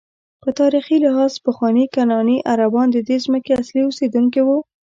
په تاریخي لحاظ پخواني کنعاني عربان ددې ځمکې اصلي اوسېدونکي وو.